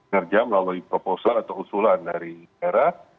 kerja melalui proposal atau usulan dari daerah